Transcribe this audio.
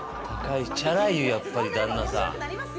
チャラいよやっぱり、旦那さん。